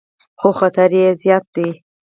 خو خطر یې زیات دی.